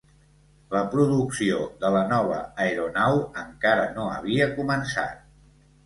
La producció de la nova aeronau encara no havia començat.